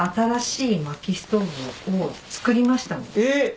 えっ？